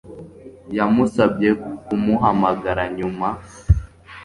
Yamusabye kumuhamagara nyuma